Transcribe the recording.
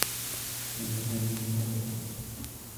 كان سامي ينتظر فقط.